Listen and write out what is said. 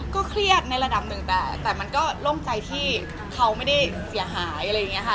เครียดในระดับหนึ่งแต่มันก็โล่งใจที่เขาไม่ได้เสียหายอะไรอย่างนี้ค่ะ